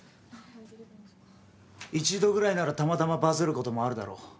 一度ぐらいならたまたまバズる事もあるだろう。